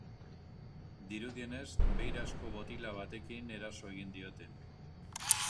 Dirudienez, beirazko botila batekin eraso egin diote.